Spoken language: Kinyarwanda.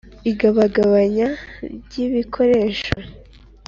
Igabagabanya ryibikoresho.